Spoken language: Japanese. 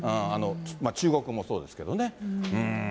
中国語もそうですけどね。